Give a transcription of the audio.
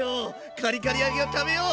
カリカリ揚げを食べよう！